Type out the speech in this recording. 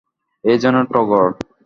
এ যেন টগর!